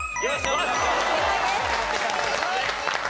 正解です。